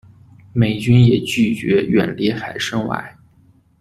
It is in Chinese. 美军也拒绝远离海参崴。